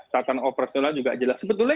tatanan operasional juga jelas sebetulnya